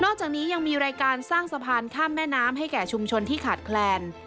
จากนี้ยังมีรายการสร้างสะพานข้ามแม่น้ำให้แก่ชุมชนที่ขาดแคลน